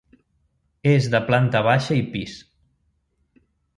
És de planta baixa i pis.